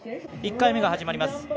１回目が始まります。